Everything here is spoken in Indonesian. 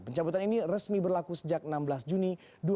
pencabutan ini resmi berlaku sejak enam belas juni dua ribu dua puluh